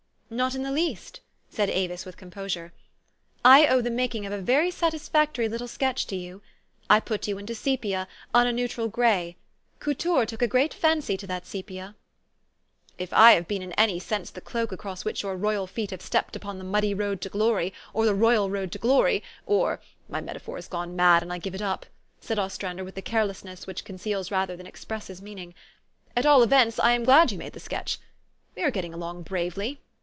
" Not in the least," said Avis with composure. " I owe the making of a very satisfactory little 88 THE STORY OF AVIS. sketch to you. I put you into sepia, on a neutral gray. Couture took a great fancy to that sepia/' 1 i If I have been in any sense the cloak across which 3 r our royal feet have stepped upon the muddy road to glor}', or the n^al road to glory, or my metaphor is gone mad, and I give it up," said Os trander, with the carelessness which conceals rather than expresses meaning. "At all events, I am glad you made the sketch. We are getting along bravely.